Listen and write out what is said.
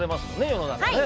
世の中ね。